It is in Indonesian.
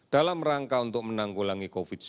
dalam rangka untuk menanggulangi covid sembilan belas